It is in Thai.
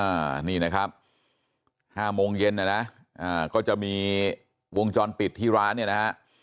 อ่านี่นะครับห้าโมงเย็นนะนะอ่าก็จะมีวงจรปิดที่ร้านเนี่ยนะฮะ